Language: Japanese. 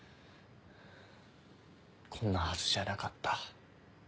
こんなはずじゃなかった。